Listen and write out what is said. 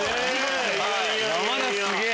山田すげぇ！